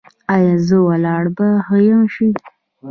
ایا زما ولاړه به ښه شي؟